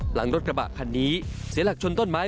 หลังรถกระบะคันนี้เสียหลักชนต้นไม้